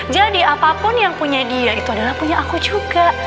jadi apapun yang punya dia itu adalah punya aku juga